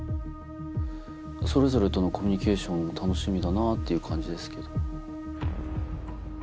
それぞれとのコミュニケーションが楽しみだなっていう感じですけど。